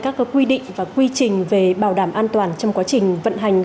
các quy định và quy trình về bảo đảm an toàn trong quá trình vận hành